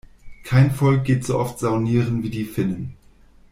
Kein Volk geht so oft saunieren wie die Finnen.